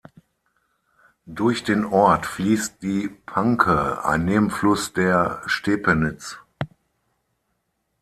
Durch den Ort fließt die Panke, ein Nebenfluss der Stepenitz.